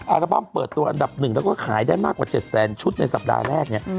อัลบั้มเปิดตัวอันดับ๑แล้วก็ขายได้มากกว่า๗แสนชุดในสัปดาห์แรกเนี่ย